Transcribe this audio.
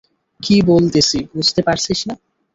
কী বলতেছি বুঝতে পারছিস না?